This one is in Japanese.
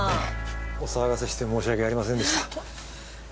お騒がせして申し訳ありませんでした。